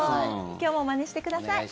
今日もまねしてください。